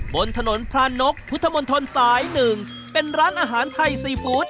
บนถนนพรานกพุทธมนตรสาย๑เป็นร้านอาหารไทยซีฟู้ด